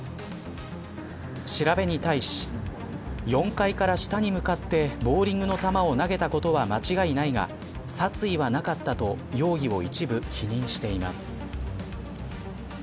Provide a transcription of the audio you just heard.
調べに対し４階から下に向かってボウリングの球を投げたことは間違いないが殺意はなかったと容疑を一部否認しています。